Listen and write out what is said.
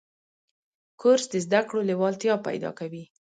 کورس د زده کړو لیوالتیا پیدا کوي.